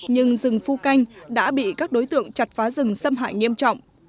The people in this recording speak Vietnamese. nhưng rừng phu canh đã bị các đối tượng chặt phá rừng xâm hại nghiêm trọng